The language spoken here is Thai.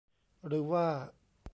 หรือว่า